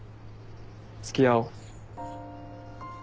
付き合おう。